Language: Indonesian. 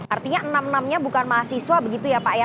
artinya enam enamnya bukan mahasiswa begitu ya pak ya